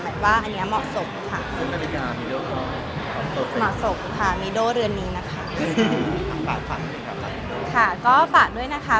หมายความว่าอันนี้เหมาะสกค่ะเหมาะสกค่ะเรือนนี้นะคะค่ะก็ฝากด้วยนะคะ